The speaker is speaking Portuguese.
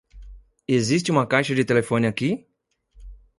Existe uma caixa de telefone aqui?